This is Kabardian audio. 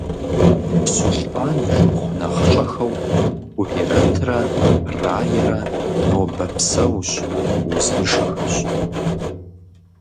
Сулътӏан и шыпхъу нэхъыщӏэхэу Хурирэтрэ Раерэ нобэ псэущ, узыншэхэщ.